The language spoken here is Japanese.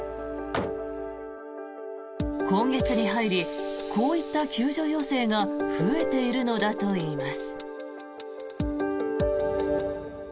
今月に入りこういった救助要請が増えているのだといいます。